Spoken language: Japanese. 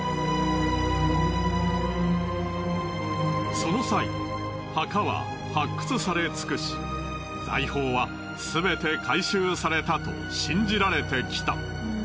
その際墓は発掘され尽くし財宝はすべて回収されたと信じられてきた。